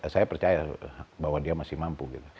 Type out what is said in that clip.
saya percaya bahwa dia masih mampu gitu